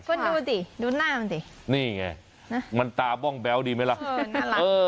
เพิ่งดูสิดูหน้ามันสินี่ไงนะมันตาบ้องแบวดีไหมล่ะเออ